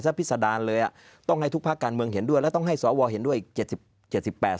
ซะพิสดาลเลยต้องให้ทุกภาคการเมืองเห็นด้วยและต้องให้สวเห็นด้วย๗๘เสียง